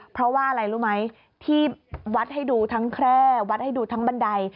เพราะว่าอะไรรู้ไหมที่วัดให้ดูทั้งแคร่วัดให้ดูทั้งบันได